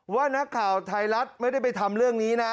ว่านักข่าวไทยรัฐไม่ได้ไปทำเรื่องนี้นะ